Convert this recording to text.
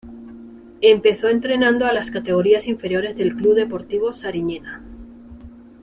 Empezó entrenando a las categorías inferiores del Club Deportivo Sariñena.